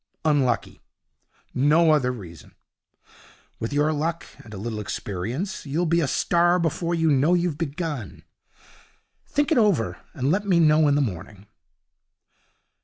Unlucky. No other reason. With your luck and a little experience you'll be a star before you know you've begun. Think it over, and let me know in the morning.'